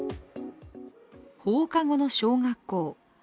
放課後の小学校。